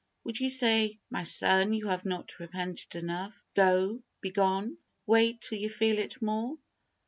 Would you say, "My son, you have not repented enough. Go! begone! Wait till you feel it more!"